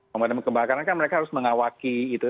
pemadam kebakaran kan mereka harus mengawaki gitu